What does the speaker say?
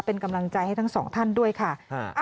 เป็นกำลังใจให้ทั้งสองท่านด้วยค่ะ